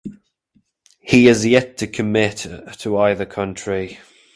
He is yet to commit to either country.